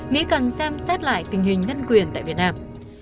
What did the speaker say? mỹ cần xem xét lại tình hình nhân quyền tại việt nam